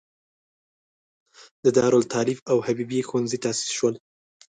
د دارالتالیف او حبیبې ښوونځی تاسیس شول.